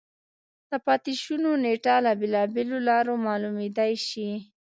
د پاتې شونو نېټه له بېلابېلو لارو معلومېدای شي.